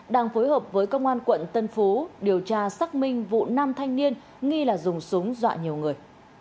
đang phối hợp với công an quận tân phú điều tra xác minh vụ nam thanh niên nghi là dùng súng dọa nhiều người